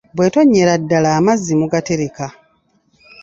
Bw'etonnyera ddala amazzi mugatereka.